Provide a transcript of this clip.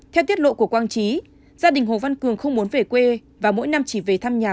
theo tiết lộ của quang trí gia đình hồ văn cường không muốn về quê và mỗi năm chỉ về thăm nhà